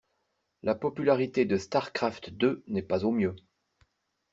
La popularité de starcraft deux n'est pas au mieux.